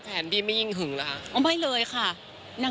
แผนพี่มียิ่งหึงอยู่หรือคะพี่อย่างนึงไม่เลยค่า